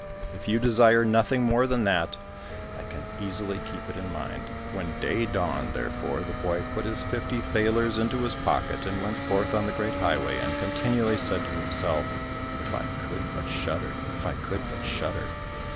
If you desire nothing more than that, I can easily keep it in mind." When day dawned, therefore, the boy put his fifty thalers into his pocket, and went forth on the great highway, and continually said to himself, "If I could but shudder! If I could but shudder!"